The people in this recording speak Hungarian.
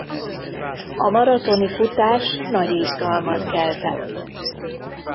A maratoni futás nagy izgalmat keltett.